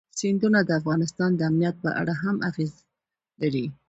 سیندونه د افغانستان د امنیت په اړه هم اغېز لري.